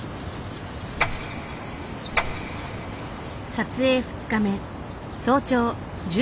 撮影２日目。